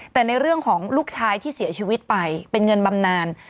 แต่ในเรื่องของลูกชายที่เสียชีวิตไปเป็นเงินบำนาน